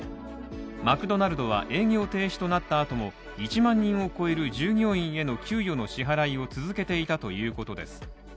マクドナルドは、営業停止となったあとも１万人を超える従業員への給与の支払いを続けていたということです。